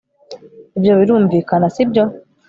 ibyo birumvikana, sibyo